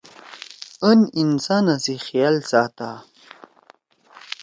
اَن انسانا سی خیال ساتا۔